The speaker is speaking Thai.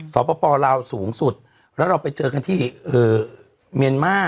สปลาวสูงสุดแล้วเราไปเจอกันที่เมียนมา